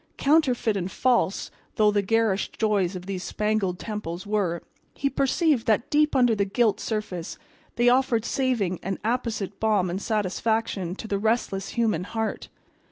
Counterfeit and false though the garish joys of these spangled temples were, he perceived that deep under the gilt surface they offered saving and apposite balm and satisfaction to the restless human heart.